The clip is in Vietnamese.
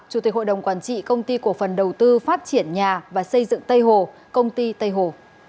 chủ tịch hội đồng quản trị công ty cổ phần đầu tư phát triển nhà và xây dựng tây hồ công ty tây hồ